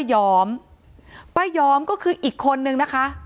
ที่มีข่าวเรื่องน้องหายตัว